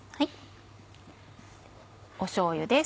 しょうゆです。